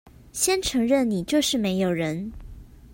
先承認你就是沒有人